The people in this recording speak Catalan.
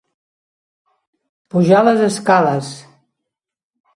Pujar les escales.